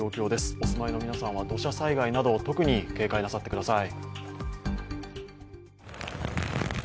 お住まいの皆さんは土砂災害など特に警戒なさってください。